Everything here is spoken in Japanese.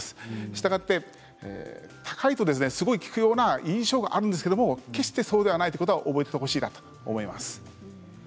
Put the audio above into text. したがって高いとすごく効くような印象があるんですが決してそうではないということを覚えておいてほしいと思います。